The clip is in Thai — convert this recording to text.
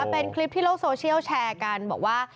เป็นคลิปที่โลกโซเชียลแชร์กันบอกว่า